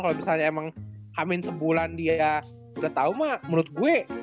kalau misalnya emang hamin sebulan dia udah tau mah menurut gue